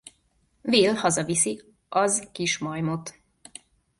Will hazaviszi az kis majmot.